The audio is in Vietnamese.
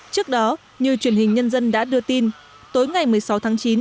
trước đó như truyền hình nhân dân đã đưa tin tối ngày một mươi sáu tháng chín